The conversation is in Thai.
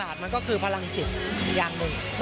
การเดินทางปลอดภัยทุกครั้งในฝั่งสิทธิ์ที่หนูนะคะ